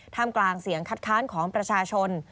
กลางเสียงคัดค้านของประชาชน